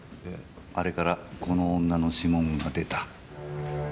あれからこの女の指紋が出た。